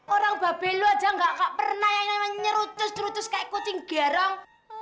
orang babeluh aja gak pernah yang nyerucus nyerucus kayak kucing garang